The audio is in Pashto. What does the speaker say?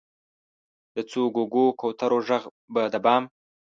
د څو ګوګو، کوترو ږغ به د بام،